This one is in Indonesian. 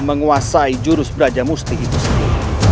menguasai jurus braja musti itu sendiri